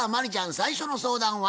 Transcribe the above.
最初の相談は？